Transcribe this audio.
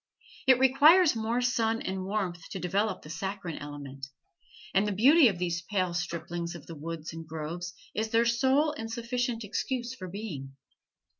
It requires more sun and warmth to develop the saccharine element, and the beauty of these pale striplings of the woods and groves is their sole and sufficient excuse for being.